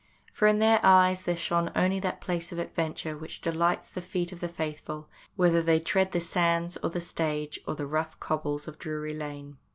For in their eyes there shone only that place of adventure which delights the feet of the faithful, whether they tread the sands, or the stage, or the rough cobbles of Drury Lane.